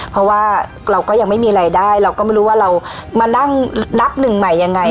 เพราะว่าเราก็ยังไม่มีรายได้เราก็ไม่รู้ว่าเรามานั่งนับหนึ่งใหม่ยังไง